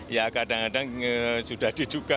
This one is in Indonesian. ya kadang kadang sudah diduga